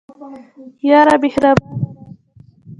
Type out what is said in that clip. یاره مهربانه راسه